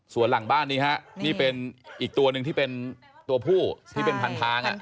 ส่วนหลังบ้านนี้ฮะนี่เป็นอีกตัวหนึ่งที่เป็นตัวผู้ที่เป็นพันทาง